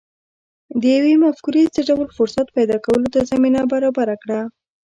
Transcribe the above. یوې مفکورې څه ډول فرصت پیدا کولو ته زمینه برابره کړه